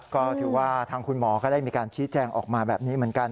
ก็ถือว่าทางคุณหมอก็ได้มีการชี้แจงออกมาแบบนี้เหมือนกัน